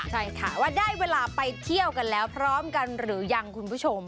ใช่ค่ะว่าได้เวลาไปเที่ยวกันแล้วพร้อมกันหรือยังคุณผู้ชม